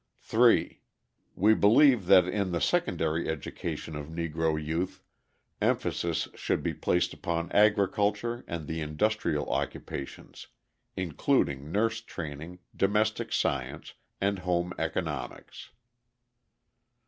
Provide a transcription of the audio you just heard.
3. We believe that in the secondary education of Negro youth emphasis should be placed upon agriculture and the industrial occupations, including nurse training, domestic science, and home economics.